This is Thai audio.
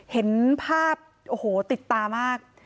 เห็นภาพโอ้โหติดตามาก